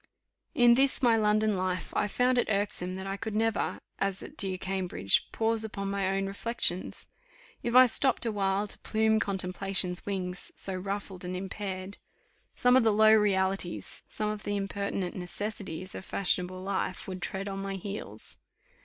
In this my London life, I found it irksome that I could never, as at dear Cambridge, pause upon my own reflections. If I stopped awhile, "to plume contemplation's wings, so ruffled and impaired," some of the low realities, some of the impertinent necessities of fashionable life, would tread on my heels.